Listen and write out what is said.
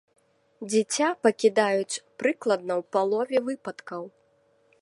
Дзіця пакідаюць прыкладна ў палове выпадкаў.